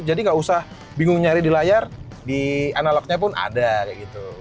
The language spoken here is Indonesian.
jadi gak usah bingung nyari di layar di analog nya pun ada kayak gitu